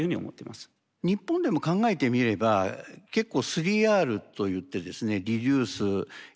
日本でも考えてみれば結構「３Ｒ」と言ってですね